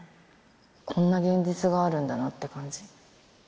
こんな現実があるんだなって感じ。